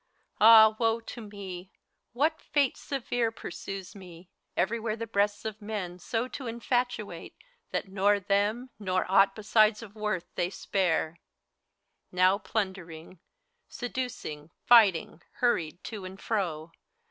Ah, woe to me I What fate severe Pursues me, everywhere the breasts of men So to infatuate, that nor them, nor aught Besides of worth, they spare? Now plundering. Seducing, fighting, hurried to and fro.